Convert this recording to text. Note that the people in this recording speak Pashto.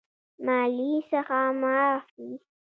مالیې څخه معاف وي.